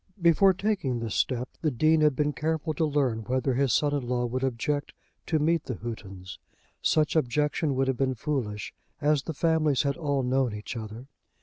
Before taking this step, the Dean had been careful to learn whether his son in law would object to meet the Houghtons. Such objection would have been foolish, as the families had all known each other.